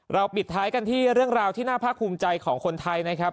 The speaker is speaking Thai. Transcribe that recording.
ปิดท้ายกันที่เรื่องราวที่น่าภาคภูมิใจของคนไทยนะครับ